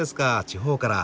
地方から。